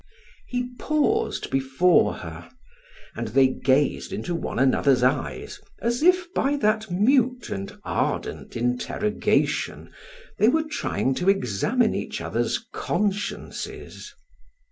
He paused before her, and they gazed into one another's eyes as if by that mute and ardent interrogation they were trying to examine each other's consciences.